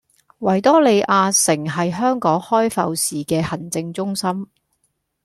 維多利亞城係香港開埠時嘅行政中心